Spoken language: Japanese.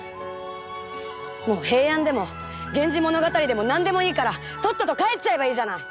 もう平安でも「源氏物語」でも何でもいいからとっとと帰っちゃえばいいじゃない！